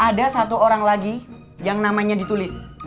ada satu orang lagi yang namanya ditulis